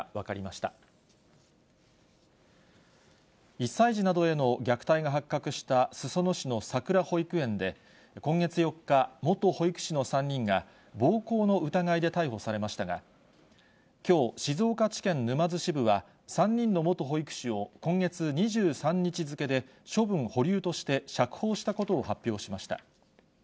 １歳児などへの虐待が発覚した、裾野市のさくら保育園で、今月４日、元保育士の３人が、暴行の疑いで逮捕されましたが、きょう、静岡地検沼津支部は、３人の元保育士を今月２３日付で、処分保留として釈放したことを発表しました。